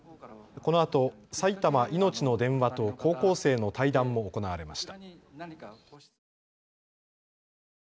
このあと埼玉いのちの電話と高校生の対談も行われました。